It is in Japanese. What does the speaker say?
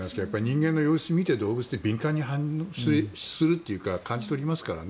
人間の様子を見て動物って敏感に反応するというか感じ取りますからね。